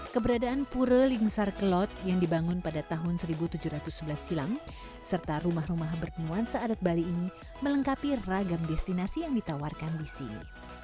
keberadaan pura lingsar kelot yang dibangun pada tahun seribu tujuh ratus sebelas silam serta rumah rumah bernuansa adat bali ini melengkapi ragam destinasi yang ditawarkan di sini